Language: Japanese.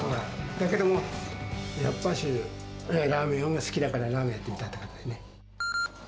だけども、やっぱしラーメンが好きだからラーメンやってみたくなったんだよね。